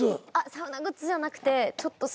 サウナグッズじゃなくてちょっとすいません。